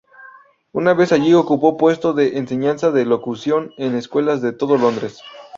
Una vez allí, ocupó puestos de enseñanza de locución en escuelas de todo Londres.